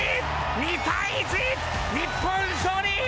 ２対１、日本勝利。